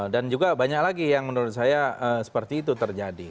dan juga banyak lagi yang menurut saya seperti itu terjadi